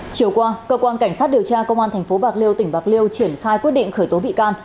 chiều qua cơ quan cảnh sát điều tra công an tp bạc liêu tỉnh bạc liêu triển khai quyết định khởi tố bị can